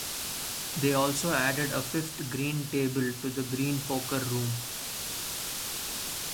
They also added a fifth green table to the Green Poker Room.